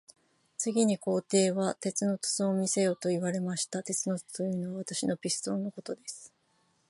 次に皇帝は、鉄の筒を見せよと言われました。鉄の筒というのは、私のピストルのことです。